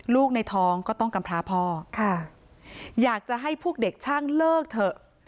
ลูกในท้องก็ต้องกำพร้าพ่อค่ะอยากจะให้พวกเด็กช่างเลิกเถอะ